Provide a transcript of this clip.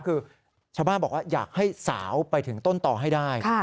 คือชาวบ้านบอกว่าอยากให้สาวไปถึงต้นต่อให้ได้